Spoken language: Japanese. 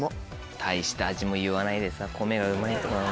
大した味も言わないでさ米がうまいとか。